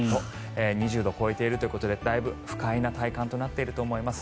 ２０度を超えているということでだいぶ不快な体感となっていると思います。